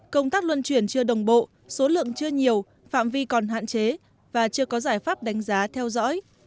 công tác luân chuyển chưa đồng bộ số lượng chưa nhiều phạm vi còn hạn chế và chưa có giải pháp đánh giá theo dõi